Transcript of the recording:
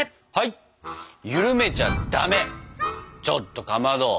ちょっとかまど。